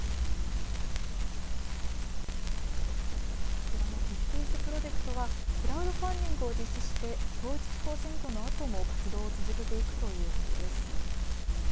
こちらのＦＩＦＴＹＳＰＲＯＪＥＣＴはクラウドファンディングを実施して統一地方選挙のあとも活動を続けていくということです。